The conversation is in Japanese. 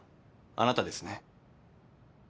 あなたですね。